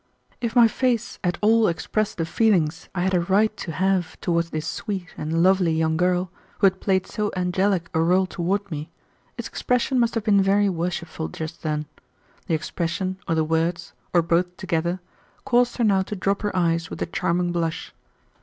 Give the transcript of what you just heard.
If my face at all expressed the feelings I had a right to have toward this sweet and lovely young girl, who had played so angelic a role toward me, its expression must have been very worshipful just then. The expression or the words, or both together, caused her now to drop her eyes with a charming blush.